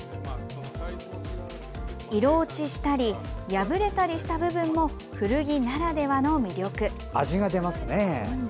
色落ちしたり破れたりした部分も古着ならではの魅力。